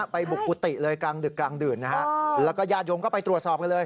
ไปบุกกุฏิเลยกลางดึกกลางดื่นนะฮะแล้วก็ญาติโยมก็ไปตรวจสอบกันเลย